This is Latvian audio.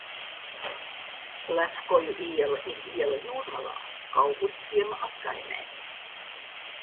Lefkoju iela ir iela Jūrmalā, Kaugurciema apkaimē.